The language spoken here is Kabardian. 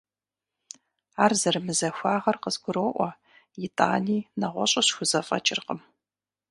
Ар зэрымызахуагъэр къызгуроӀуэ, итӀани, нэгъуэщӀу схузэфӀэкӀыркъым.